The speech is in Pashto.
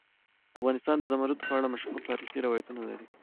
افغانستان د زمرد په اړه مشهور تاریخی روایتونه لري.